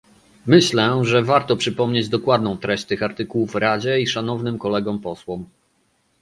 Myślę, że warto przypomnieć dokładną treść tych artykułów Radzie i szanownym kolegom posłom